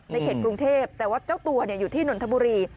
ในเข็ดกรุงเทพฯแต่ว่าเจ้าตัวเนี่ยอยู่ที่นทบุรี